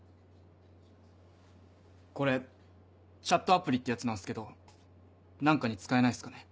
これチャットアプリってやつなんすけど何かに使えないっすかね。